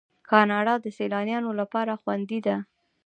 کاناډا د سیلانیانو لپاره خوندي ده.